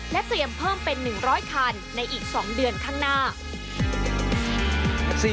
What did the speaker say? เตรียมเพิ่มเป็น๑๐๐คันในอีก๒เดือนข้างหน้า